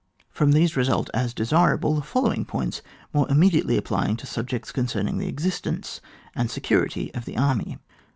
From these result, as desirable, the following points more immediately appljdngto subjects concerning the exist ence and security of the army.